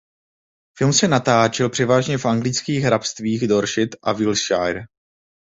Film se natáčel převážně v anglických hrabstvích Dorset a Wiltshire.